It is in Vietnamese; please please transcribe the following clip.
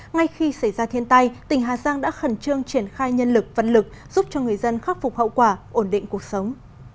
ngay khi xảy ra thiên tai tỉnh hà giang đã khẩn trương triển khai nhân lực vật lực giúp cho người dân khắc phục hậu quả ổn định cuộc sống